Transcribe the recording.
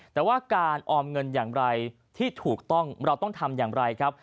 แต่ว่าการออมเงินอย่างไรที่ถูกต้องเราต้องทำอย่างไรครับ